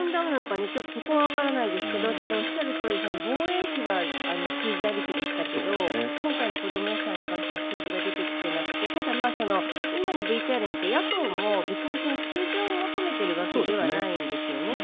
そこはちょっとわかりませんがただ、おっしゃるとおり防衛費は数字ありきでしたけど今回の子ども予算に関しては数字が出てきていなくてただ、今のＶＴＲを見て野党も別に数字を求めているわけではないんですよね。